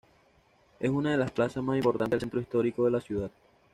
Es una de las plazas más importantes del centro histórico de la ciudad.